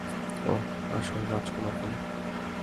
ওহ, আসো, রাজকুমার ফিলিপ।